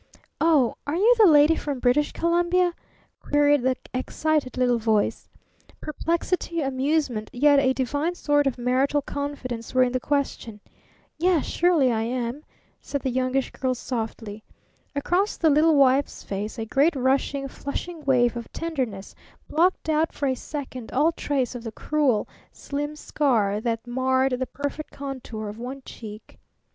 "Oh, are you the lady from British Columbia?" queried the excited little voice. Perplexity, amusement, yet a divine sort of marital confidence were in the question. "Yes, surely I am," said the Youngish Girl softly. Across the little wife's face a great rushing, flushing wave of tenderness blocked out for a second all trace of the cruel, slim scar that marred the perfect contour of one cheek.